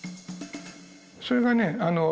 それがね